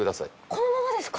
このままですか？